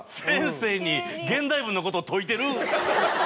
先生に現代文のこと説いてる。